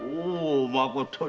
まことに。